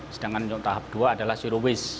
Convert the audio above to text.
sedangkan untuk tahap dua adalah zero waste